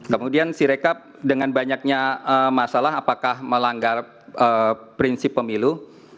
kemudian sirekap dengan banyaknya masalah apakah melanggar prinsip pemilu